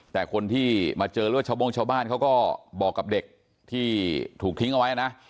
แต่คนที่มาเจอหรือว่าชาวโบ้งชาวบ้านเขาก็บอกกับเด็กที่ถูกทิ้งเอาไว้นะ